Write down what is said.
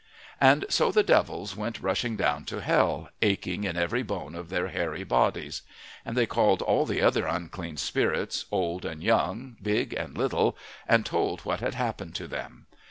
And so the devils went rushing down to hell, aching in every bone of their hairy bodies. And they called all the other unclean spirits, old and young, big and little, and told what had happened to them.